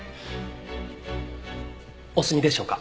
お済みでしょうか？